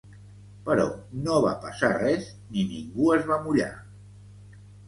Però no va passar res ni ningú es va mullar.